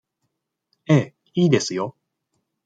ええ、いいですよ。